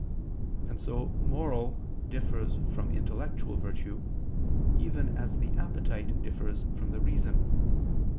And so moral differs from intellectual virtue, even as the appetite differs from the reason.